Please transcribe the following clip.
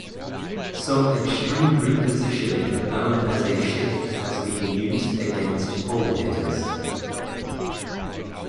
Some extreme repositioning known as a shift has been used against pull hitters.